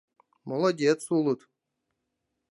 Молодец улыт.